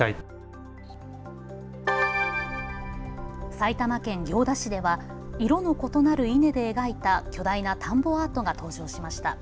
埼玉県行田市では色の異なる稲で描いた巨大な田んぼアートが登場しました。